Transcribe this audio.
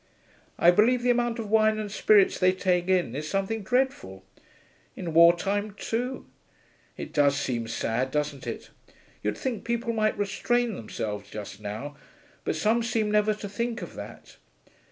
I believe the amount of wine and spirits they take in is something dreadful. In wartime, too. It does seem sad, doesn't it? You'd think people might restrain themselves just now, but some seem never to think of that.